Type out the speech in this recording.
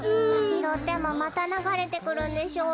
ひろってもまたながれてくるんでしょ？